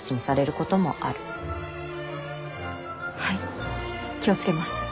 はい気を付けます。